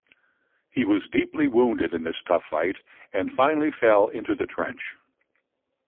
He was deeply wounded in this tough fight and finally fell into the trench.